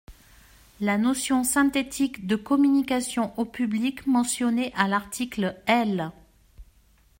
La notion synthétique de communication au public, mentionnée à l’article L.